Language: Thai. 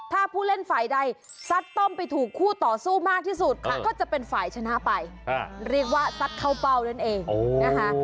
ถ้าผู้เล่นฝ่ายใดซัดต้มไปถูกคู่ต่อสู้มากที่สุดก็จะเป็นฝ่ายชนะไปเรียกว่าซัดเข้าเป้านั่นเองนะคะ